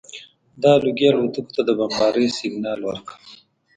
دا لوګي الوتکو ته د بمبارۍ سګنال ورکړ